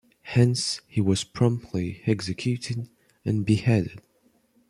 Hence he was promptly executed and beheaded.